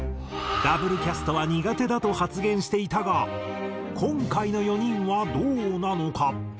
Ｗキャストは苦手だと発言していたが今回の４人はどうなのか？